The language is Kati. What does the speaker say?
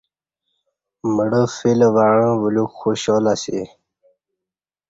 مڑہ فیل وعݩہ بلیوک خوشال اسی